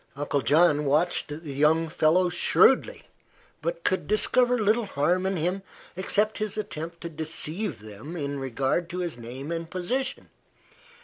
Uncle John watched the young fellow shrewdly, but could discover little harm in him except his attempt to deceive them in regard to his name and position.